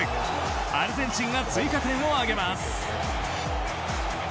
アルゼンチンが追加点を挙げます。